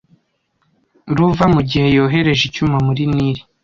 ruva mu gihe yohereje icyuma muri Nili